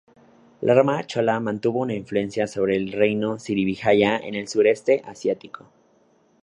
La armada chola mantuvo una influencia sobre el reino Srivijaya en el Sureste Asiático.